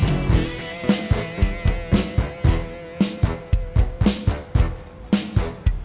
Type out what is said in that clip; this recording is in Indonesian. saya kasih tau ya kum the end